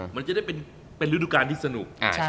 มันจะได้เป็นฤดูการที่สนุก